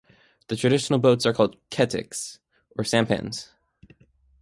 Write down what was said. The traditional boats are called "Keteks" or sampans.